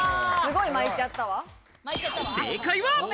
正解は。